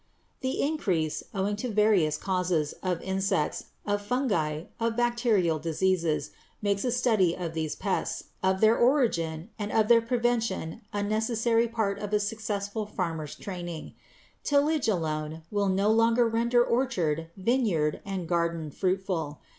The increase, owing to various causes, of insects, of fungi, of bacterial diseases, makes a study of these pests, of their origin, and of their prevention a necessary part of a successful farmer's training. Tillage alone will no longer render orchard, vineyard, and garden fruitful.